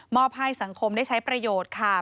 อบให้สังคมได้ใช้ประโยชน์ค่ะ